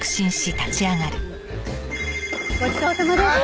ごちそうさまでした。